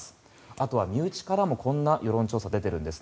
あとは身内からもこんな世論調査が出ているんです